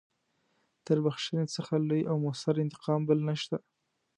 تر بخښنې څخه لوی او مؤثر انتقام بل نشته.